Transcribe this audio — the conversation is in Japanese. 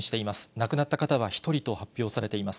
亡くなった方は１人と発表されています。